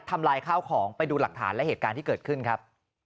ลายข้าวของไปดูหลักฐานและเหตุการณ์ที่เกิดขึ้นครับ